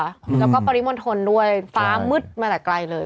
แล้วก็ปริมณฑลด้วยฟ้ามืดมาแต่ไกลเลย